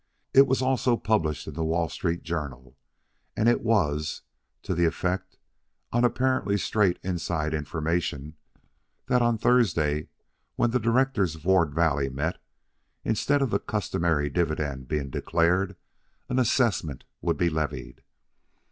It was also published in the Wall Street Journal, and it was to the effect, on apparently straight inside information, that on Thursday, when the directors of Ward Valley met, instead of the customary dividend being declared, an assessment would be levied.